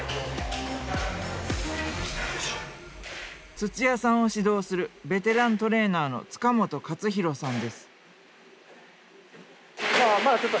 土屋さんを指導するベテラントレーナーの塚本勝弘さんです。